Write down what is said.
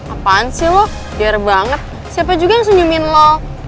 apaan sih lo biar banget siapa juga yang senyumin lo